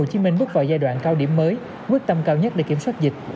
bởi tp hcm bước vào giai đoạn cao điểm mới quyết tâm cao nhất để kiểm soát dịch